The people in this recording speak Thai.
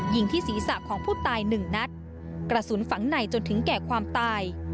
ยิงที่ศีรษะของผู้ตายหนึ่งนัดกระสุนฝังในจนถึงแก่ความตาย